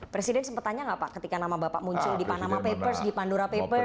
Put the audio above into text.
presiden sempat tanya nggak pak ketika nama bapak muncul di panama papers di pandora papers